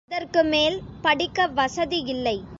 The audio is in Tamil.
அதற்கு மேல் படிக்க வசதி இல்லை.